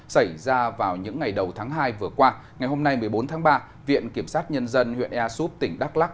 xảy ra vào những ngày đầu tháng hai vừa qua ngày hôm nay một mươi bốn tháng ba viện kiểm sát nhân dân huyện ea súp tỉnh đắk lắc